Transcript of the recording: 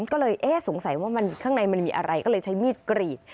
ก็เลยเอ๊ะสงสัยว่าข้างในมันมีอะไรก็เลยใช้มีดกรีด